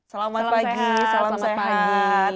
selamat pagi salam sehat